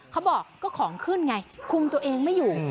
เขาบอกก็ของขึ้นไงคุมตัวเองไม่อยู่